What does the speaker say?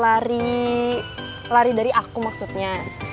lari dari aku maksudnya